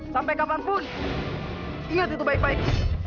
sampai kapanpun ingat itu baik baik